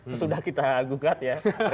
sesudah kita gugat ya